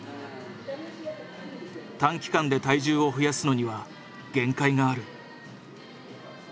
短期間で体重を増やすのには限界がある。